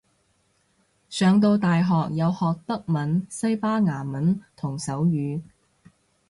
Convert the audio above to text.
上到大學有學德文西班牙文同手語